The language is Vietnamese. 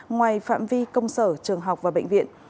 ngoài phạm vi công sở trường học và bệnh viện